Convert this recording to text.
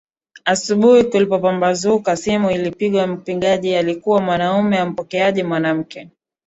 Asubuhi kulipopambazuka simu ilipigwa mpigaji alikuwa mwanaume mpokeaji mwanamke